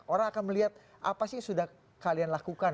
orang akan melihat apa sih yang sudah kalian lakukan